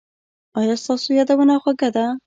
ایا ستاسو یادونه خوږه ده؟